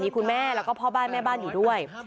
คุณแม่แล้วก็พ่อบ้านแม่บ้านอยู่ด้วย